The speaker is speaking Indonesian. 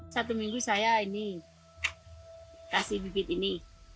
satu minggu saya ini kasih bibit ini